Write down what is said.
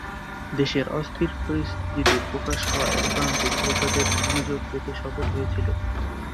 দেশের অস্থির পরিস্থিতিতে প্রকাশ হওয়া অ্যালবামটি শ্রোতাদের মনোযোগ পেতে সফল হয়েছিলো।